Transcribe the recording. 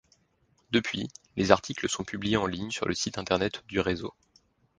Depuis, les articles sont publiés en ligne sur le site Internet du réseau.